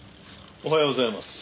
おはようございます。